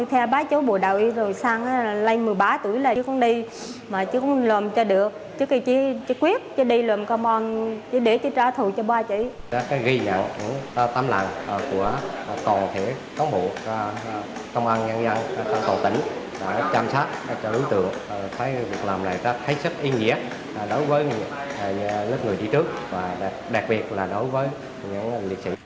hãy cho đối tượng phải làm lại hãy sắp yên giết đối với lớp người đi trước và đặc biệt là đối với những liệt sĩ